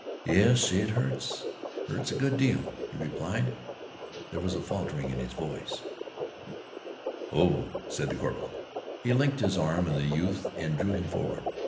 "Yes, it hurts hurts a good deal," he replied. There was a faltering in his voice. "Oh," said the corporal. He linked his arm in the youth's and drew him forward.